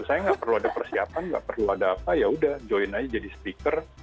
saya nggak perlu ada persiapan nggak perlu ada apa yaudah join aja jadi stiker